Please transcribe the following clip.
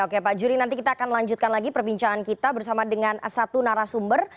oke pak jury nanti kita akan lanjutkan lagi perbincangan kita bersama dengan satu narasumber